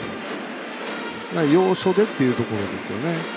要所でっていうところですよね。